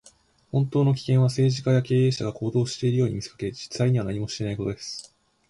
本当の危険は、政治家や経営者が行動しているように見せかけ、実際には何もしていないことです。